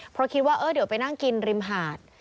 เพราะคิดว่าเดี๋ยวไปนั่งกินริมหาด